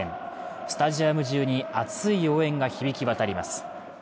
スタジアム中に熱い応援が響きわたります。